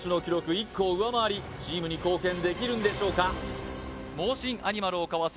１個を上回りチームに貢献できるんでしょうか猛進アニマルをかわせ！